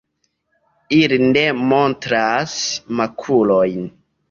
Ili ne montras makulojn.